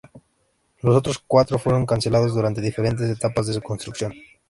Los otros cuatro fueron cancelados durante diferentes etapas de su construcción.